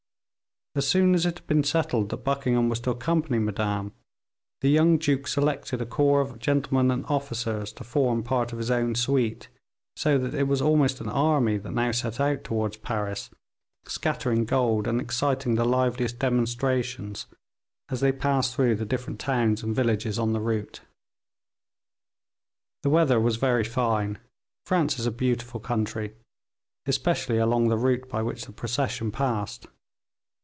As soon as it had been settled that Buckingham was to accompany Madame, the young duke selected a corps of gentlemen and officers to form part of his own suite, so that it was almost an army that now set out towards Paris, scattering gold, and exciting the liveliest demonstrations as they passed through the different towns and villages on the route. The weather was very fine. France is a beautiful country, especially along the route by which the procession passed.